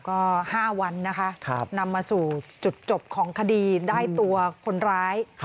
ก็๕วันนะคะนำมาสู่จุดจบของคดีได้ตัวคนร้าย